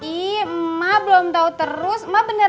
ih emak belum tahu terus